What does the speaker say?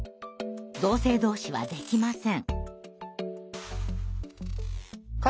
同性同士はできません。